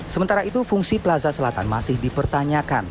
sementara itu fungsi plaza selatan masih dipertanyakan